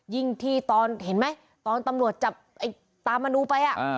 ยิ่งที่ตอนเห็นมั้ยตอนตำรวจจับตามมนุไปอะ